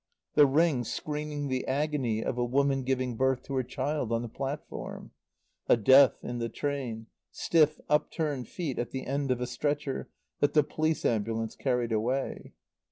The ring screening the agony of a woman giving birth to her child on the platform. A death in the train; stiff, upturned feet at the end of a stretcher that the police ambulance carried away.